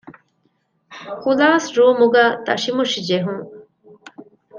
ކުލާސްރޫމްގައި ތަށިމުށިޖެހުން